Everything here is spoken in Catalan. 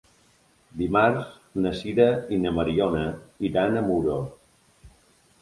Dimarts na Sira i na Mariona iran a Muro.